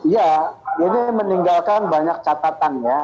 ya ini meninggalkan banyak catatan ya